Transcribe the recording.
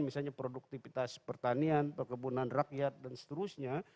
misalnya produktivitas pertanian perkebunan rakyat dan seterusnya